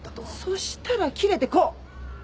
そしたら切れてこう。